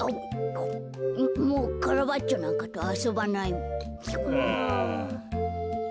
ももうカラバッチョなんかとあそばないもん。